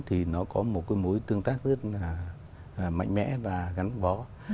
thì nó có một cái mối tương tác rất là mạnh mẽ và gắn bó